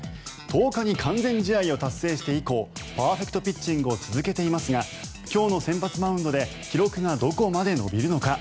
１０日に完全試合を達成して以降パーフェクトピッチングを続けていますが今日の先発マウンドで記録がどこまで伸びるのか。